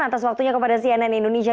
atas waktunya kepada cnn indonesia